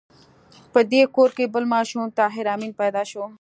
په دې کور کې بل ماشوم طاهر آمین پیدا شو